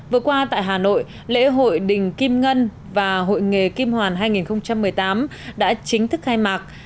vừa qua tại hà nội lễ hội đình kim ngân và hội nghề kim hoàn hai nghìn một mươi tám đã chính thức khai mạc